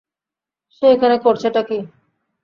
সে এখানে করছেটা কি?